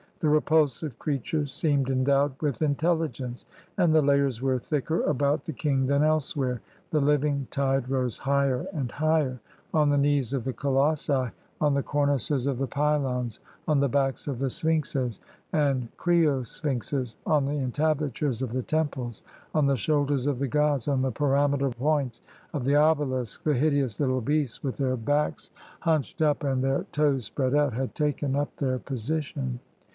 The repulsive creatures seemed endowed with intelligence, and the layers were thicker about the king than elsewhere. The living tide rose higher and higher; on the knees of the colossi, on the cornices of the pylons, on the backs of the sphinxes and crio sphinxes, on the entablatures of the temples, on the shoulders of the gods, on the pyramidal points of the obelisks, the hideous little beasts, with their backs LET MY PEOPLE GO hunched up and their toes spread out, had taken up their position.